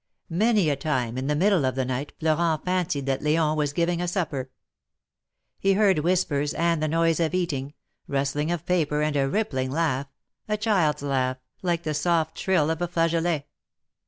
Many a time, in the middle of the night, Florent fancied that L6on was giving a supper. He heard whispers and the noise of eating — rustling of paper and a rippling laugh — a child's laugh, like the soft trill of a flageolet.